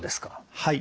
はい。